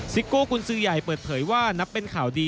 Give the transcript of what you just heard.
ซิโก้กุญสือใหญ่เปิดเผยว่านับเป็นข่าวดี